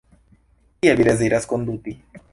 Kiel vi deziras konduti?